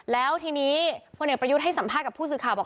แล้วทีนี้พลเอกประยุทธ์ให้สัมภาษณ์กับผู้สื่อข่าวบอก